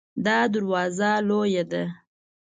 دا دروازه لویه ده